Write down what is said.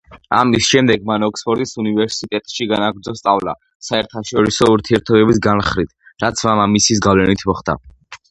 ამის შემდეგ მან ოქსფორდის უნივერსიტეტში განაგრძო სწავლა, საერთაშორისო ურთიერთობების განხრით, რაც მამამისის გავლენით მოხდა.